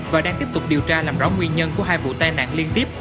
và đang tiếp tục điều tra làm rõ nguyên nhân của hai vụ tai nạn liên tiếp